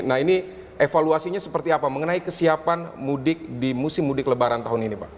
nah ini evaluasinya seperti apa mengenai kesiapan mudik di musim mudik lebaran tahun ini pak